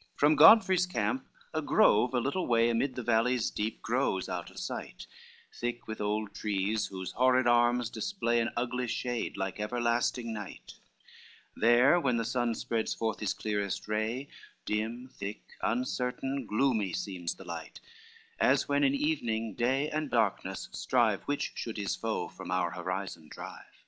II From Godfrey's camp a grove a little way Amid the valleys deep grows out of sight, Thick with old trees whose horrid arms display An ugly shade, like everlasting night; There when the sun spreads forth his clearest ray, Dim, thick, uncertain, gloomy seems the light; As when in evening, day and darkness strive Which should his foe from our horizon drive.